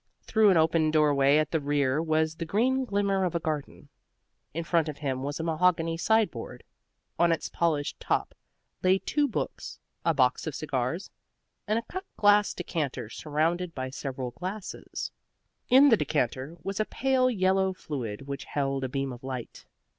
Through an open doorway at the rear was the green glimmer of a garden. In front of him was a mahogany sideboard. On its polished top lay two books, a box of cigars, and a cut glass decanter surrounded by several glasses. In the decanter was a pale yellow fluid which held a beam of light.